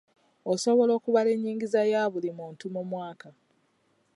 Osobola okubala enyingiza ya buli muntu mu mwaka?